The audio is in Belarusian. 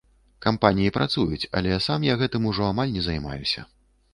Кампаніі працуюць, але сам я гэтым ужо амаль не займаюся.